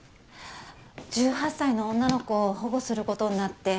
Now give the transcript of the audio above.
１８歳の女の子を保護することになって。